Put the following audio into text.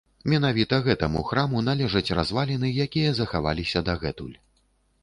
Менавіта гэтаму храму належаць разваліны, якія захаваліся дагэтуль.